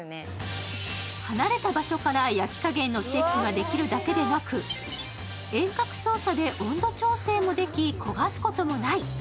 離れた場所から焼き加減のチェックができるだけでなく遠隔操作で温度調整もでき、焦がすこともない。